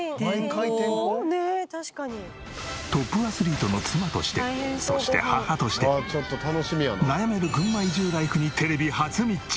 トップアスリートの妻としてそして母として悩める群馬移住ライフにテレビ初密着。